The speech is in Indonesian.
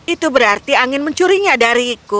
itu berarti angin mencurinya dariku